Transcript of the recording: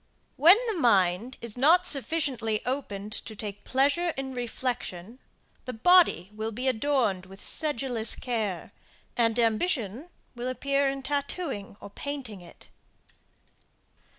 When the mind is not sufficiently opened to take pleasure in reflection, the body will be adorned with sedulous care; and ambition will appear in tattooing or painting it.